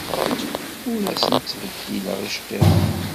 Ur asent-ttbeddileɣ iceḍḍiḍen.